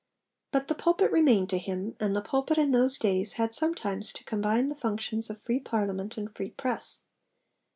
But the pulpit remained to him, and the pulpit in those days had sometimes to combine the functions of free Parliament and free press.